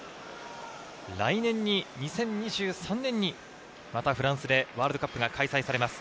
来年２０２３年にまたフランスでワールドカップが開催されます。